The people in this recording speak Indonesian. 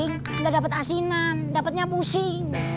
ga dapet asinan dapetnya pusing